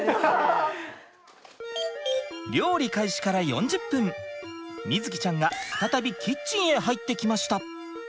料理開始から４０分瑞己ちゃんが再びキッチンへ入ってきました。